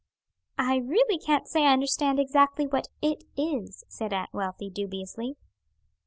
"I really can't say I understand exactly what it is," said Aunt Wealthy dubiously.